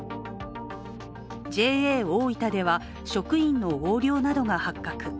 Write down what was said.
ＪＡおおいたでは、職員の横領などが発覚。